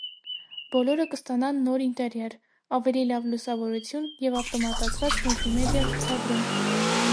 Բոլորը կստանան նոր ինտերիեր, ավելի լավ լուսավորություն և ավտոմատացված մուլտիմեդիա ցուցադրում։